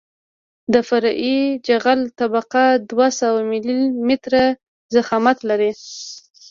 د فرعي جغل طبقه دوه سوه ملي متره ضخامت لري